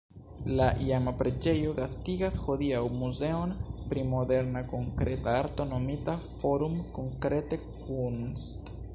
La iama preĝejo gastigas hodiaŭ muzeon pri moderna konkreta arto nomita "Forum Konkrete Kunst".